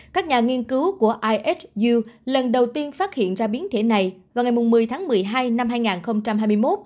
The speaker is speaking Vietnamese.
các nhà nghiên cứu của is youe lần đầu tiên phát hiện ra biến thể này vào ngày một mươi tháng một mươi hai năm hai nghìn hai mươi một